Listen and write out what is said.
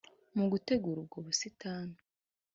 Mu gutegura ubwo busitani